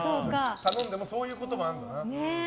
頼んでもそういうこともあるんだ。